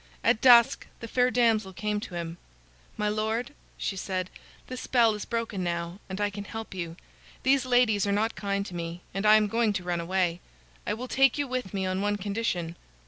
At dusk the fair damsel came to him. "My lord," she said, "the spell is broken now, and I can help you. These ladies are not kind to me, and I am going to run away. I will take you with me on one condition."